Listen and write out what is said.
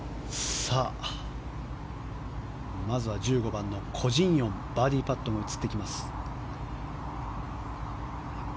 まずは１５番のコ・ジンヨンバーディーパットです。